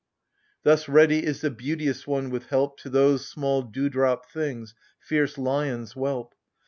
Thus ready is the beauteous one with help To those small dew drop things fierce lions whelp.